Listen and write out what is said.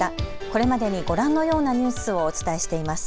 これまでにご覧のようなニュースをお伝えしています。